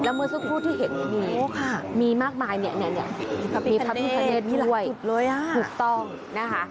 แล้วเมื่อสักครู่ที่เห็นมีมากมายมีพระพิพาเนตด้วยถูกต้องนะคะ